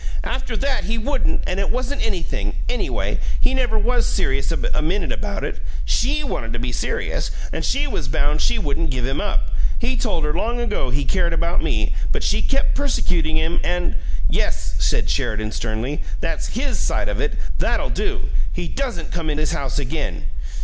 After that he wouldn't, and it wasn't anything, anyway he never was serious a minute about it. SHE wanted it to be serious, and she was bound she wouldn't give him up. He told her long ago he cared about me, but she kept persecuting him and " "Yes," said Sheridan, sternly; "that's HIS side of it! That'll do! He doesn't come in this house again!"